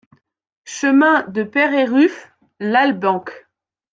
Chemin de Peyrerufe, Lalbenque